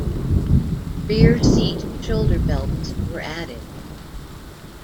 Rear seat shoulder belts were added.